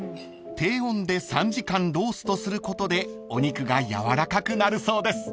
［低温で３時間ローストすることでお肉がやわらかくなるそうです］